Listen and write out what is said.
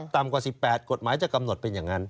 ต่ำกว่า๑๘กฎหมายจะกำหนดเป็นอย่างนั้น